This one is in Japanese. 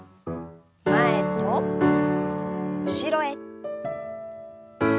前と後ろへ。